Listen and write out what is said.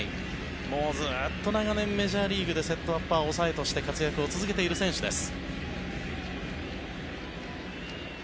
もうずっと長年メジャーリーグセットアッパー、抑えとして活躍を続けている選手です。